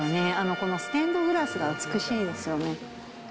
このステンドグラスが美しいですよね。